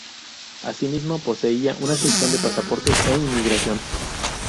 Asimismo poseía una sección de pasaportes e inmigración.